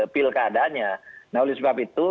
pilkadanya nah oleh sebab itu